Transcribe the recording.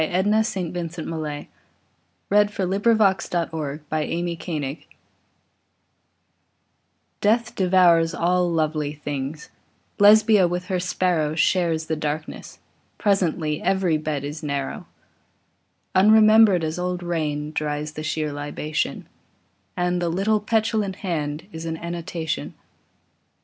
Edna St. Vincent Millay Passer Mortuus Est DEATH devours all lovely things: Lesbia with her sparrow Shares the darkness, presently Every bed is narrow. Unremembered as old rain Dries the sheer libation; And the little petulant hand Is an annotation.